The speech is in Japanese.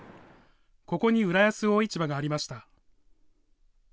ここに浦安魚市場がありました。